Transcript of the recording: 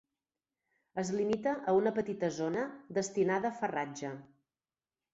Es limita a una petita zona destinada a farratge.